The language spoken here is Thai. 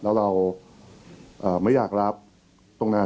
และการแสดงสมบัติของแคนดิเดตนายกนะครับ